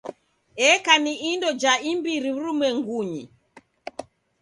Eka ni indo ja imbiri w'urumwengunyi.